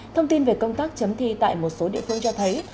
thông tin về công tác chấm thi tại một số địa phương cho thấy